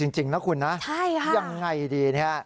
ยุ่งจริงนะคุณยังไงดี